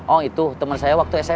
oh itu temen saya waktu smp